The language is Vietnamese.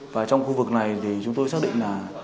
và trong khu vực này thì chúng tôi xác định là